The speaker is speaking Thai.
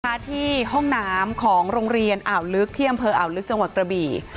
ที่ห้องน้ำของโรงเรียนอ่าวลึกที่อำเภออ่าวลึกจังหวัดกระบี่